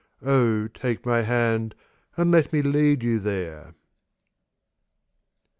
Oh, take my hand and let me lead you there.